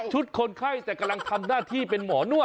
คนไข้แต่กำลังทำหน้าที่เป็นหมอนวด